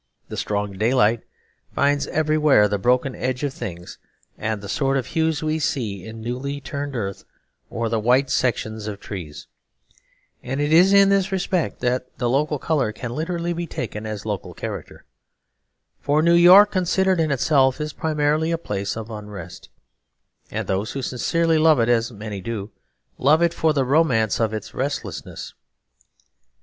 The strong daylight finds everywhere the broken edges of things, and the sort of hues we see in newly turned earth or the white sections of trees. And it is in this respect that the local colour can literally be taken as local character. For New York considered in itself is primarily a place of unrest, and those who sincerely love it, as many do, love it for the romance of its restlessness.